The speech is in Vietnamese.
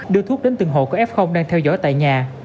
đưa thuốc đến từng hộ có f đang theo dõi tại nhà